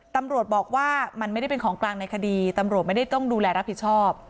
ตำรวจบอกว่ามันไม่ได้เป็นของกลางในคดีตำรวจไม่ได้ต้องดูแลรับผิดชอบ